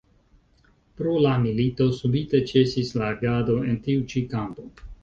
Pro la milito subite ĉesis la agado en tiu ĉi kampo.